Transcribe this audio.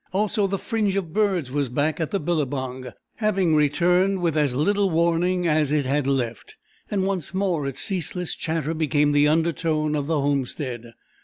Also the fringe of birds was back at the billabong, having returned with as little warning as it had left, and once more its ceaseless chatter became the undertone of the homestead.